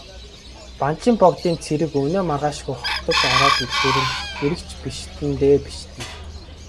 Банчин богдын цэрэг өнөө маргаашгүй ороод ирэхээр хэрэг ч бишиднэ дээ, бишиднэ.